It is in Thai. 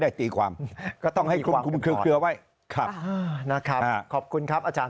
ตีความก็ต้องให้คลุมเคลือไว้ครับนะครับขอบคุณครับอาจารย์